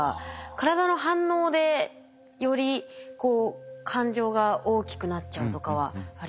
体の反応でより感情が大きくなっちゃうとかはありましたね。